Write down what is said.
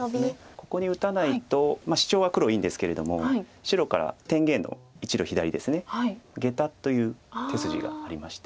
ここに打たないとシチョウは黒いいんですけれども白から天元の１路左ですねゲタという手筋がありまして。